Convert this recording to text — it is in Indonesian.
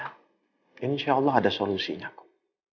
insya allah ada solusinya kok